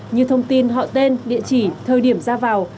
như thông tin họ tên địa chỉ thời điểm ra vào